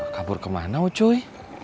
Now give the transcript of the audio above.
kabur kemana ucuy